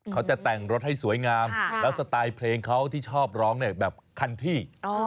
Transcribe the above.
เขาจะแต่งรถให้สวยงามแล้วสไตล์เพลงเขาที่ชอบร้องเนี่ยแบบคันที่